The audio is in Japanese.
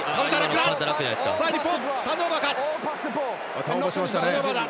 日本、ターンオーバーだ。